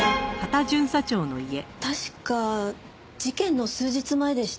確か事件の数日前でした。